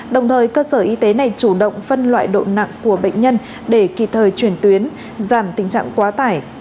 đồng thời cơ sở y tế này chủ động phân loại độ nặng của bệnh nhân để kịp thời chuyển tuyến giảm tình trạng quá tải